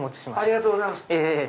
ありがとうございます。